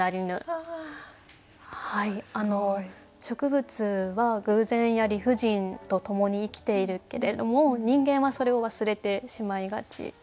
植物は偶然や理不尽とともに生きているけれども人間はそれを忘れてしまいがち。